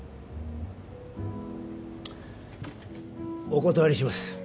お断りします。